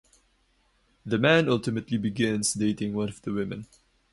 The man ultimately begins dating one of the women.